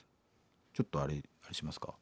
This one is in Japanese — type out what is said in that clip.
ちょっとあれ鳴らしますか？